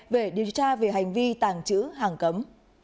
về điều tra về hành vi tàng chữ hàng cấm